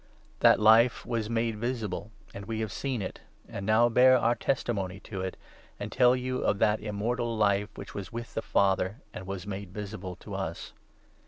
That Life was made visible, 2 and we have seen it, and now bear our testimony to it, and tell you of that Immortal Life, which was with the Father and was made visible to us.